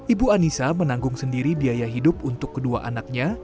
ibu anissa menanggung sendiri biaya hidup untuk kedua anaknya